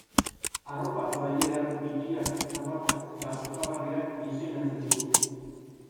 Arropaz gainera, bitxiak, zapatak eta osagarriak diseinatzen ditu.